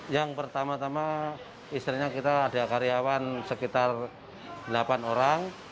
yang pertama tama istilahnya kita ada karyawan sekitar delapan orang